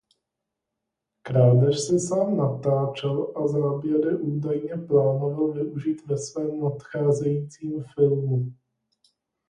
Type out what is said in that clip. Krádež si sám natáčel a záběry údajně plánoval využít ve svém nadcházejícím filmu.